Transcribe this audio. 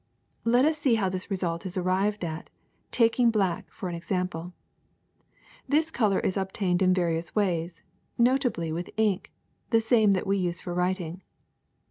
*'Let us see how this result is arrived at, taking black for an example. This color is obtained in various ways, notably with ink, the same that we use for writing.